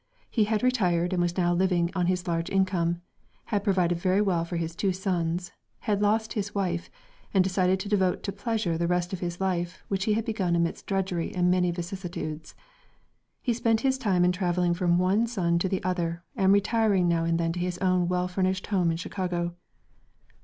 He had retired and was now living on his large income, had provided very well for his two sons, had lost his wife, and decided to devote to pleasure the rest of his life which had begun amidst drudgery and many vicissitudes. He spent his time in travelling from one son to the other and retiring now and then to his own well furnished home in Chicago.